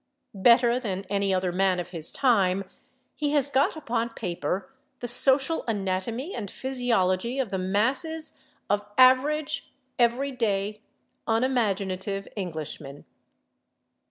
Better than any other man of his time he has got upon paper the social anatomy and physiology of the masses of average, everyday, unimaginative Englishmen.